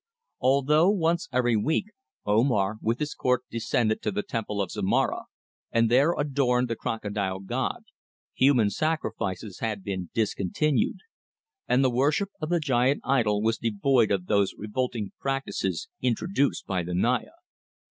Although once every week, Omar, with his court, descended to the Temple of Zomara, and there adored the Crocodile god, human sacrifices had been discontinued, and the worship of the giant idol was devoid of those revolting practices introduced by the Naya.